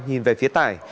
nhìn về phía tải